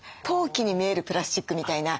陶器に見えるプラスチックみたいな。